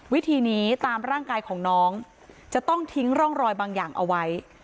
วิธีนี้ตามร่างกายของน้องจะต้องทิ้งร่องรอยบางอย่างเอาไว้